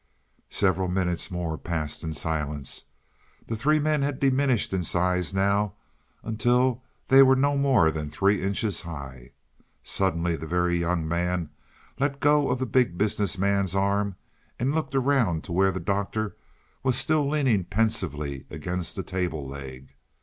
Several minutes more passed in silence. The three men had diminished in size now until they were not more than three inches high. Suddenly the Very Young Man let go of the Big Business Man's arm and looked around to where the Doctor was still leaning pensively against the table leg.